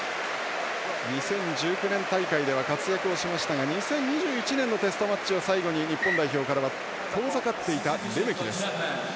２０１９年大会では活躍をしましたが２０２１年のテストマッチを最後に日本代表からは遠ざかっていたレメキです。